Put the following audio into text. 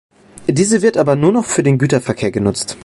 Diese wird aber nur noch für den Güterverkehr genutzt.